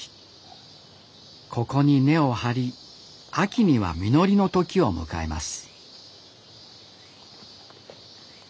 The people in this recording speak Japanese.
ここに根を張り秋には実りの時を迎えます